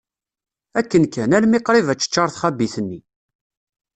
Akken kan, almi qrib ad teččar txabit-nni.